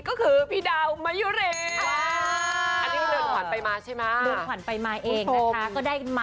อ๋อก็ไม่ได้